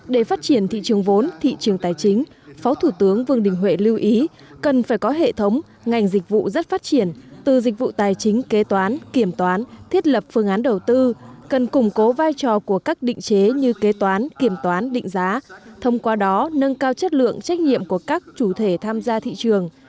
để phát triển thị trường vốn thị trường tài chính phó thủ tướng vương đình huệ lưu ý cần phải có hệ thống ngành dịch vụ rất phát triển từ dịch vụ tài chính kế toán kiểm toán thiết lập phương án đầu tư cần củng cố vai trò của các định chế như kế toán kiểm toán định giá thông qua đó nâng cao chất lượng trách nhiệm của các chủ thể tham gia thị trường